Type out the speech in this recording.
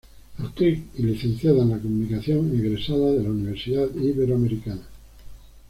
Actriz y Licenciada en Comunicación egresada de la Universidad Iberoamericana.